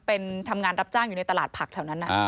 เป็นทำงานรับจ้างอยู่ในตลาดผักแถวนั้น